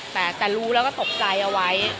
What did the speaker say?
แต่รู้แล้วก็ตกใจเอาไว้